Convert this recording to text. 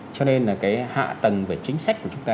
cho nên là cái hạ tầng về chính sách của chúng ta